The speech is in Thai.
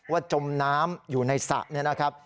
ว่าจมน้ำอยู่ในสระ